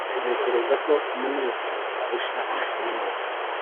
ntekereza ko munezero arusha carine